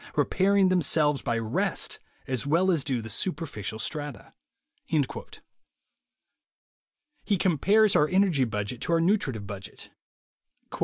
. repairing themselves by rest as well as do the superficial strata." He compares our energy budget to our nutritive budget.